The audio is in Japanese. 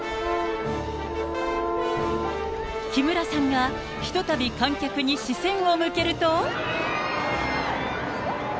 木村さんがひとたび観客に視線を向けると。